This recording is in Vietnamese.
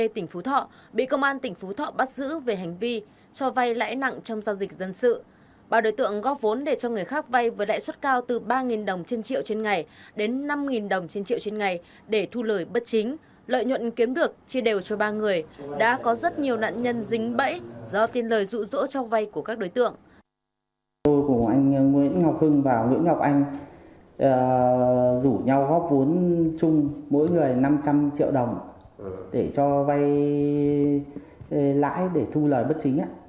tôi cùng anh nguyễn ngọc hưng và nguyễn ngọc anh rủ nhau góp vốn chung mỗi người năm trăm linh triệu đồng để cho vay lãi để thu lời bất chính